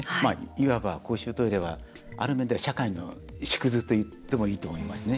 いわば、公衆トイレはある面では社会の縮図といってもいいと思いますね。